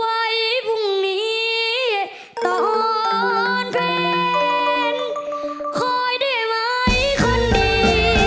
ไว้พรุ่งนี้ตอนแฟนคอยได้ไหมคนดี